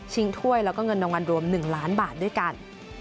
ถ้วยแล้วก็เงินรางวัลรวม๑ล้านบาทด้วยกัน